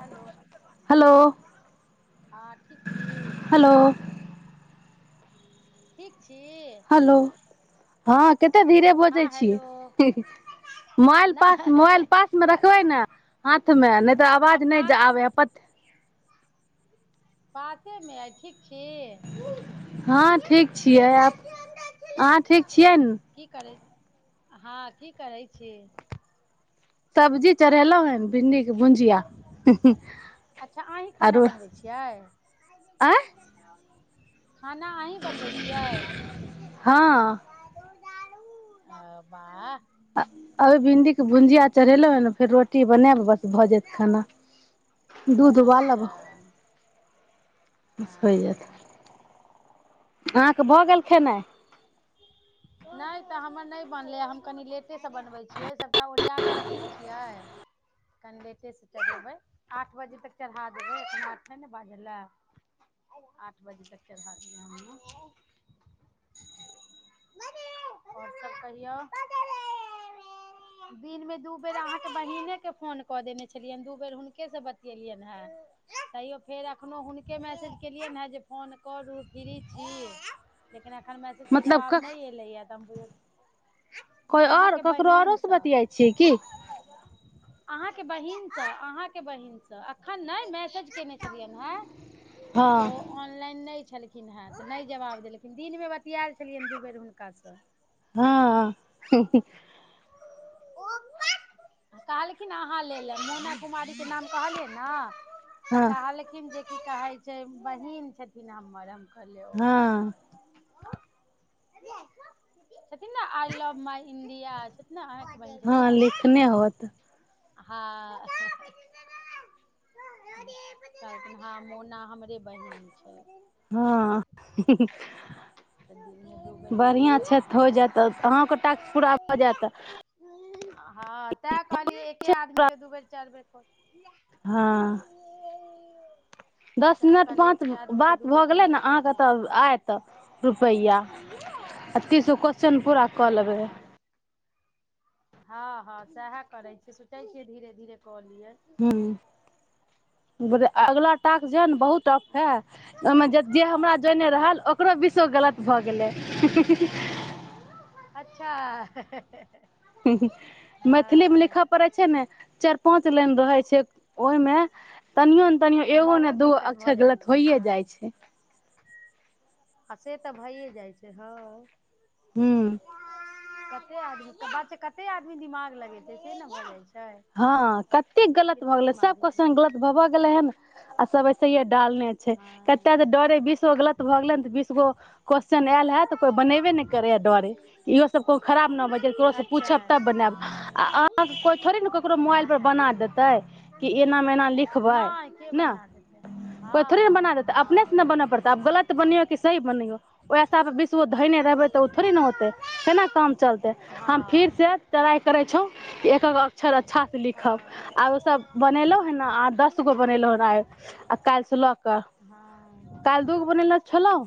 hello hello हँ ठीक छी हेलो ठीक छी हलो हँ केते धीरे हँ बजैत हेलो छीयै मोल नहि मोबाइल पासमे कल रखबै ने हाथमे नहि तऽ हँ आवाज नहि पासे आबै ह प बातेमे आइ ठीक छी हँ ठीक छियै आब अहाँ ठीक छियै न की करै हँ की करै छी सब्जी चढेलौ हन भिंडी भूंजिया अच्छा अहीं खाना आरो बनबै छियै आ खाना अहीं बनबै छियै हँ आ बाह अभी भिंडी के भुंजीया चढ़ेलहुँ ह ने फेर रोटी बनायब बस भऽ जायत खाना दूध उबालब अच्छा होइ जायत हँ अहाँके भऽ गेल खेनाय नहि तऽ हमर नहि बनलै हम कनि लेटेसँ बनबै छियै सभटा ओरिया कऽ रखने छियै कनि लेटेसँ चढ़ेबै आठ बजे तक चढ़ा देबै ओतना अच् छै ने बाजलए आठ बजे तक चढ़ा देबै हम आओर सब कहियौ दिनमे दू बेर अहाँके बहिनेके फोन कऽ देन छलियैनि दू बेर हुनके से बतियेलियन हेँ तैयो फेर एखनो हुनके मैसेज केलियनि हेँ जे फोन करू फ्री छी लेकिन हर मैसेज के मतलब जवाब क नै एलै या त कोइ आओर अहाँके ककरो बहिन आओरो स से बतियाइ छियै की अहाँ के बहिनसँ अहाँके बहिनसँ एखन नहि मैसेज केने छलियनि हें तऽ हँ ऑनलाइन नहि छलखिन हेँ नहि जवाब देलखिन मे बतियाल छलियै दू बेर हुनकासँ हँ कहलखिन अहाँ ल ल मैौना कुमारीके नाम कहलिय ने तऽ हँ कहलखिन जे की कहै छै बहीन छथिन हमर कहले ओ हँ [unintelligible] छथिन ने आई लव मई इं्डिया छथि ने अहाँके हँ लिखने होत ह हँ मोना हमरे बहिन छै [unintelligible] हँ तऽ दिनमे दू बेर हुनके बढ़िआँ से छैऽ हो बतियेलियै जायत अहके ट पूरा भ जात हँ तैं कहलियै एके आदमी के दू बेर च दु चार बेर फोन हँ दस तैं मिनट कहलियै पाँच एके आदमी के बात दू बेर भऽ तीन गेलै बेर ने कॉल अहाँके तऽ आयत रुपैआ आ तीस गो क्वेश्चन पूरा कऽ अच्छा लेबै हँ हँ सएह करै छियै सुचै छियै धीरे धीरे कलियै [inaudible] बोल अगलाा टास्क जे है ने बहुत टफ है ओहिमे जे जे हमरा जोने रहल ओकरो विषो गलत भऽ गेलै अच्छा मैथिली मे लिखय हँ पड़े छै ने चार पाँंच लाइन रहै छै से ओहिमे तनिओ ने तनिओ तऽ एगो ने बहुत दूगो दिक्कत भऽ अक्षर जाइ गलत छै होइए जाइ छै अे तऽ भइए जाइ छै हँ ह्म कते आदमी बच्च कते आदमी दिमाग लगेतै से ने भऽ जाइ छै [unintelligible] हँ कतेक गलत भऽ कते गेलै दिमाग सभके स लगेतै गलत भबऽ गेलै हन अस वैस डालने छै कते हँ त डरे बीस गो गलत भऽ गेले ने ते बीसगो क्वस््चन आयल हयत तऽ कोई बनेबे नहि करेया डरे इहो सब कोइ खराब न बज केकरो से अच्छा पुछब तब बनैब ककरो मोबाइल पर बना देते कि एना मे एना लिखबै नहि के ने बना देतै कोई हँ थोड़े ने हँ बना देते अपने हँ से ने बन पड़ते आब गलत बनो क सही बनो ओएहस बिसगो धयने रहबे ते थोड़ी ने होते केना काम चलते हम फिर हँ से ्राई करे छो एक्त अच्षर अच्छासँ लिखब आ ओसभ बनेलहुँ हँ ने आ दसगो बनेलहुँ हँ आइ आ काल्हिसँ लऽ कऽ हँ काल्हि दूगो बनेलहु छलहुँ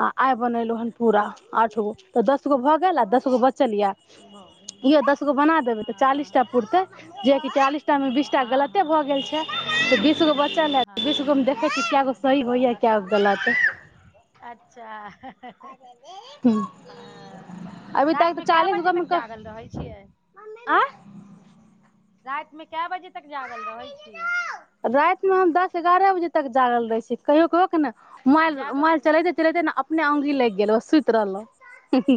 आ आइ बनेलहुँ हँ पूरा आठ गो तऽ दसगो भऽ गेल आ दसगो हँ बचल यऽ भऽ गेल यओ दसगो बना देबै तऽ चालीसटा हँ तै जेकी चालीस टामे बीस टा गलते भ हँ गेल छै तऽ बीसगो बच्चल यै हँ त बीस गो हँ मे देखै छि कैगो सही भैल आ कैगो गलत ह [inaudible] ह अभी तक तऽ राइतमे कै बजे तक जागल रहै छियै आँ राइत मे कए बजे तक जागल रहै छीयै राइत मे हम दस एगारह बजे तक जागल रहे छीयै कहियो कहिय के ने मोबाइल जागल मोबाइल रहै चलैते चलैते ने अपने ओंघी लैग गेल सुति रहलहु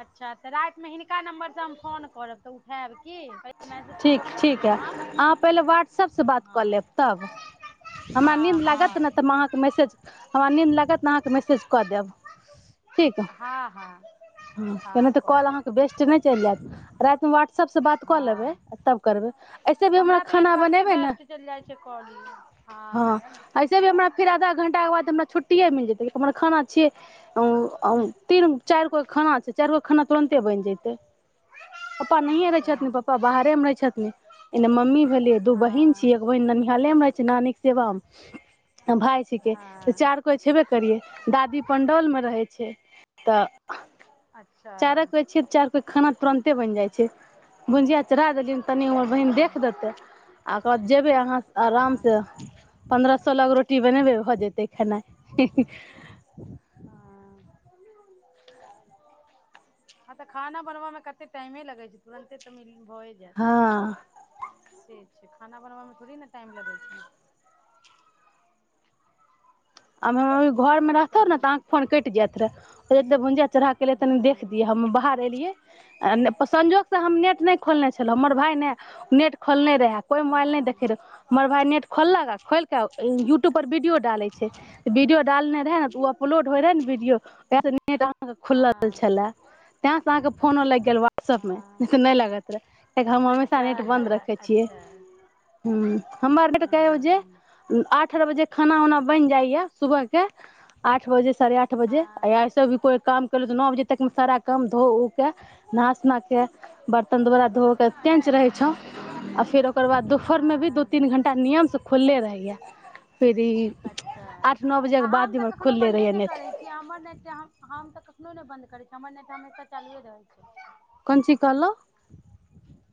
अच्छा तऽ रातिमे हिनका नम्बर से हम फोन करबऽ उठायब की मैसेज कऽ ठीक कऽ पूछि ठीक है लेब हम अहाँ पहिले व्हाट्सऐपसँ बात कऽ हँ लेब तब हमरा हँ नीन्द लागत हँ ने तऽ हम अहाँके मैसेज हमरा नीद लागत अहाँके मैसेज कऽ देब ठीक हँ हँ नहि हँ तऽ कऽ कॉल देब अहाँके बेस्ट नहि चलि जायत रातिमे वाटस कलेबै हँ तब करबै ऐसे भी हमरा तऽ एहन खाना कते बनेबै ने वयस्ट चलि जाइ छै काॅलिग हँ ऐसे भी हमरा फेर आधा घं्टा के बाद हमरा छुट्टिए मिल जेतै हमर खाना छियै उ तीन चार गो खाना छै चार गो खाना तुरंते बनि जते पापा नहिये रहे अच्छा छथिन पप्पा बाहरे मे रहे छथिन एने मम्मी भेलिये दू बहिन हँ छीये एक बहिन ननिहाले मे रहे छै नानी भाय छिके त हँ चार कोइ छेबे करिये दादी पंडौल मे रहे छै छै तऽ अच्छा चारा कोइ छै चार कोइ खाना तुरन्ते बनि जाइ छै बुजिया चढा देलियनि तनि ओर बहिन देख हूँ देतै [inaudible] जेबै अहाँ हँ आरामसँ पन्द्रह सोलह के रोटी बनेबे भ जेतै खेना हँ ह तऽ खाना बनवा मे कते टाइमे लगे छै तुरते तऽ म भए हँ जात से खाना बनबैमे थोड़े ने टाइम लगै छै मम्मी घर मे आओर रहतौ ने कहियौ तऽहाँके फोन कटि जाइत रहे भुजिया चढ़ा केेले तनि देख हँ दिय हम बाहर एलियै संजोगसँ हम नेट नहि खोलने छलहुँ हमर भाय ने नेट खोलने रहे कोई मोबाइल नहि हँ देखे रह मगर भााय नेट खोललक आ खोलिक यू युटुब पर वीडियोडाले वीडियो डालने रहै ऊ अपलोड हो रहै वीडियो तऽ हॅं आ नेट ुलल हँ छलै हँ अच्छा अच्छा हँ [unintelligible] खाना उना बनि जाइया सुबह आठ बजे साढ़े आठ बजे हँ एसे भी कोइ काम नौ बजे तक मे सारा कम धो उ के नहा सुना के बर्तन दोबारा धो के तेंच रहे छौ फेर ओकर बाद दुपहरमे भी दू हँ तीन घण्टा नियमसँ खुलले रहैया फिर ई अच्छा आठ नओ बजे के आ हम बाद तऽ इमहर कखनो खुलले बन्दे रहैया नहि नेट करै छी हमर नेट तऽ हम हम तऽ कखनो नहि बंन्द करैत छीय हमर नहि तऽ हमेशा चालि रहल छै कोन ची कहल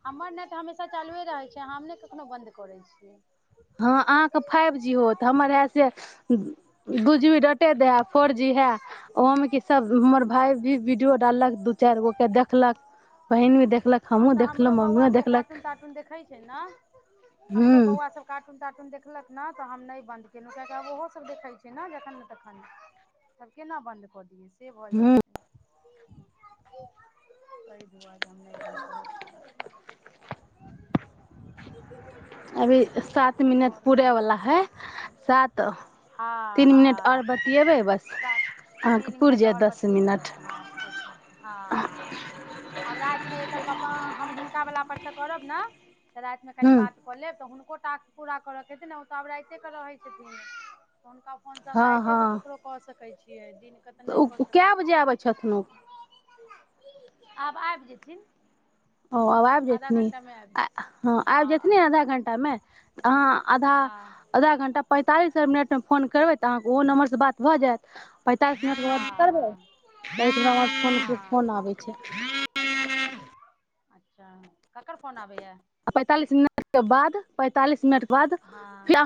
हमर ननैट तऽ हमेशा चालुए रहै छै हम नहि कखनो बन्द करै छीयै हँ अहाँके फाइव जी होत हमरी ए सॅं दु जी दे फोर जी है ओहो मे की सब हमर भाय अच्छा भी वीडियो डाललक दू चारि गो के देखलक बहिन भी देखलक हँ हमहुँ तऽ देखलहु हमरो बौआ मम्मी सब कार्टून देखलक तार्टून देखै छै ने हु हमरो बौआ सब कार्टून देखलक ने तऽ हम नहि बन्द केलहुँ कियकि आब ओहो सब देखै छीै ने जखन तखन तब केना बन्द कऽ दिय से भऽ जाइ छै हूँ ब [inaudible] ब नहि कर [unintelligible] [inaudible] अभी सात मिनट पूरे वालला है सात हँ तीन मिनट आऔर ब हँ तीन मिनट जायत आओर दस बतबै मिनट बस ह हँ हँ आब रातिमे एकर पापा हिनका वला परसँ करब ने राति मे कनि हूँ बात कऽ लेब तऽ ह कोोटााक पूरा करऽके हेन ने ओ तऽ आब राइते के रहै छथिन कोनका फोन समला हँ छै हँ ककरो कऽ सकैत छी क दिन तऽ नहि ओ कऽ सकै कए बजे छियै आबै छथुन ओ [unintelligible] आब आबि जेथिन ओ आब आबि आधा जयथिन घण्टामे आबि जेथिन हँ आबि जथिन आब आधा आबि जेथिन घंटामे अहाँ आधा हँ आधा घंटा पैंतालिस करबै तऽ आहा के ओ नम्बर बात भऽ जायत पैंतालस मिनटके बाद हँ हँ करबै द फो फोन हँ आबै छै अच्छा ककरड़ फोन आबैए आ पैंतालीस मिनट के बाद पैंतालिस मिनट ार हँ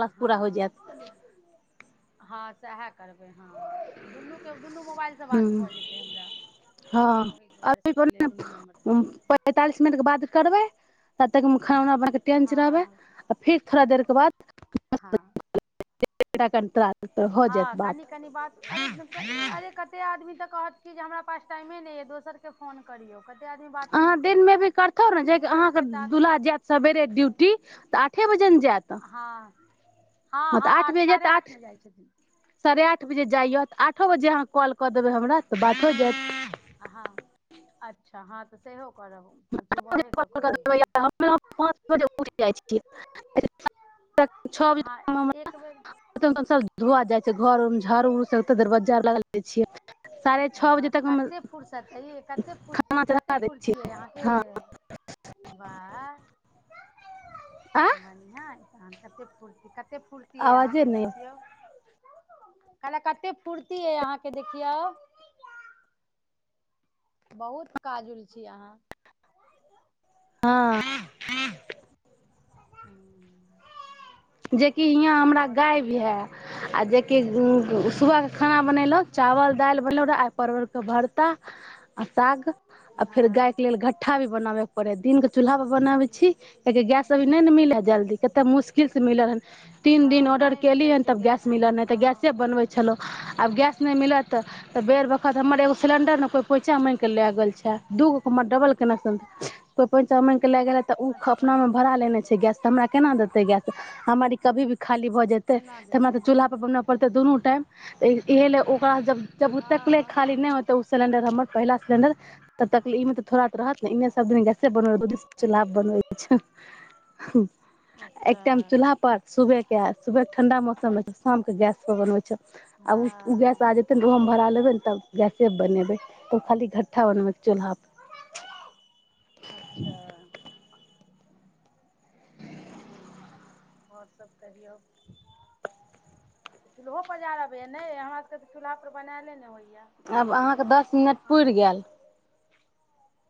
हँ हँ सएह करबै हँ दुनू के दुनू मोबाइलसँ बात हूँ भऽ जेतै हमरा हँ ओहि दुआरे अभी सुटलै दुनू नम्बरसँ कऽ दब पैंतालिस मिनटके बाद करबै तब तक खाना उना बनाके टेनच रहबै हँ आ फेर थोड़ा देरके बाद हँ कट हँ कनि कनि बात अरे अरे कते आदमी तऽ कोहत कि हमरा पास टैम नैय दोसर के फो करियौ कतेक आदमी बाते नहि अहाँ दिनमे करत भी करतौ ने जे जिनकर अहाँके सभके टास्क दुल्हा जायत सेरे ड्यूटी तऽ जात हँ हँ हँ आठ साढ़े आठ मे जाइ छथिन साढ़े आठ बजे जाइय तऽ आठो बजे अहाँ कॉल कऽ देबै हमरा तऽ बात हो जायत अहाँ अच्छा हँ सेहो हो पाँच बजे उठि जाइ छ छओ हँ एक बेर बजेक धुआ जाइ छै घर झाड़ उड़ दरवज्जा लग जाै छियै साढ़े छओ बजे तक हमर फर्सते कते फुर्ती कते दै फुर्ती छियै हँ हुँ बाह आ बढ़िआँ अहां कतेक पूर्ति कत कते फूर्ती यइ आवाजे अहाँके नहि देखियौ कहलहुँ कतेक फूर्ति अइ अहाँके देखियौ बहुत काजुलछी अहाँ हँ हुँ ह जेकि हियाँ हमरा गाय है आ जेकि सुबहके खाना बुझियै बनेलहु चावल दालि मतल ओरा परर्वर के भरता आ साग आ फेर गाय के हँ लेल घट्ठा भी बनाबे के पड़े दिननक के चूल्हा पर बनावे छी कआेि गैस अभी नहि ने मिल हय जल्दी कते मुश्किल मिलल तिन हँ दिन ओडर नहि मिलै कैलिहन छै तब गैस मिलल एखन नै त हँ गैस पर बनबै छलहूँ अब गैस नै मिलत तऽ तऽ बेर बखत हमर एगो सिलिण्डर ने कोइ पोँछा माँगिके लए गेल छै दूगो हमर डबल कनेक्शन रह अच्छा कोइ पोँछा माँगिके लए गेलै तऽ अच्छा अपनामे भराा लेने छै गैस तऽ हमरा केना देतै गैस हमर कभी भी खाली भऽ जेतै केना तऽ हमरा देतै तऽ हँ चूल्हापर बनबऽ पड़तै दुनू टाइम तऽ इएह लए ओकासँ जब जब ओ तकले हँ खाली नहि होतै ओ सिलिण्डर हमर पहिला सिलिण्डर तकली ई तऽ थोड़ा तऽ रहत ने इने सब दिन गैसे बन द चुला बनै अच्छा टाम चूल्हा पर सुबह के सुबह के ठंडा मौसम रह छै शाम के गैस प बनबइ छ आब उ गैस हँ आ जेते नेऽ ओहोमे भरा लेबे ने तब गैस बनेबे तऽ खाली घट्ठा बनब चुल्हाप अच्छा आओर सब कहियौ चूल्हो पजार' अबैया ने हमरा सबके त चूल्हा पर बनायले ने होइय आब अहाँके दस मिनट पूरि गेल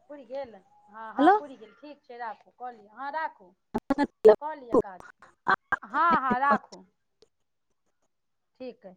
पूरिकेल हँ हँ हेलो पूरिगेल ठीक ठीक छै राखू कहलियै हँ राखू कऽ लिअ काज हँ हँ राखू ठीक है